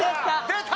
出た！